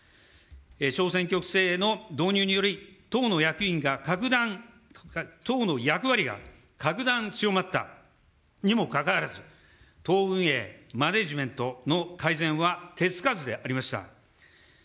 小選挙区制の導入により、党の役割が格段、強まったにもかかわらず、党運営、マネジメントの改善は手つかずでありました。